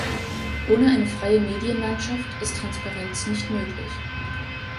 Ohne eine freie Medienlandschaft ist Transparenz nicht möglich.